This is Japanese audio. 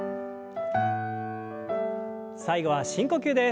最後は深呼吸です。